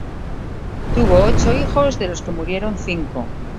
Tuvo ocho hijos de los que murieron cinco.